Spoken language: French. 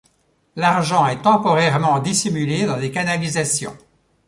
L'argent est temporairement dissimulé dans des canalisations.